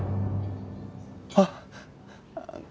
あっ。